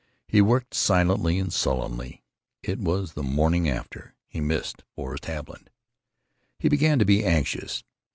He worked silently and sullenly. It was "the morning after." He missed Forrest Haviland. He began to be anxious.